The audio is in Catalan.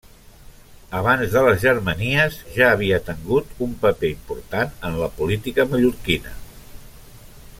Abans de les Germanies ja havia tengut un paper important en la política mallorquina.